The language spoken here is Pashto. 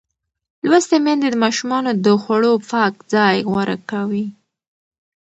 لوستې میندې د ماشومانو د خوړو پاک ځای غوره کوي.